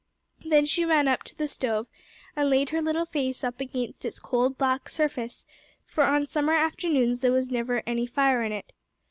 Then she ran up to the stove, and laid her little face up against its cold, black surface, for on summer afternoons there was never any fire in it.